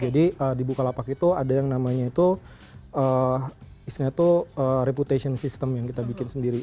jadi di bukalapak itu ada yang namanya itu istilahnya itu reputation system yang kita bikin sendiri